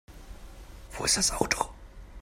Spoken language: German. Wo ist das Auto?